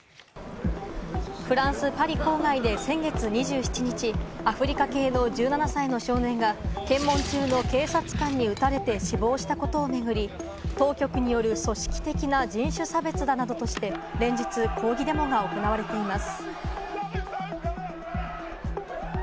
フランス・パリ郊外で先月２７日、アフリカ系の１７歳の少年が検問中の警察官に撃たれて死亡したことを巡り、当局による組織的な人種差別だなどとして連日抗議デモが行われています。